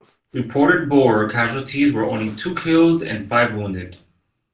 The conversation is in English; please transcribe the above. Reported Boer casualties were only two killed and five wounded.